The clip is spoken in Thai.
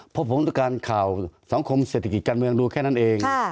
เพราะผมต้องการข่าวสังคมเศรษฐกิจการเมืองดูแค่นั้นเอง